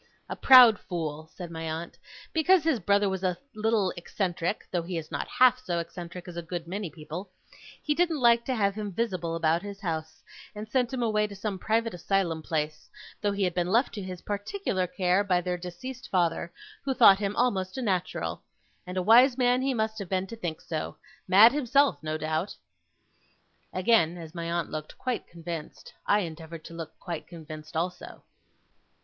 'A proud fool!' said my aunt. 'Because his brother was a little eccentric though he is not half so eccentric as a good many people he didn't like to have him visible about his house, and sent him away to some private asylum place: though he had been left to his particular care by their deceased father, who thought him almost a natural. And a wise man he must have been to think so! Mad himself, no doubt.' Again, as my aunt looked quite convinced, I endeavoured to look quite convinced also.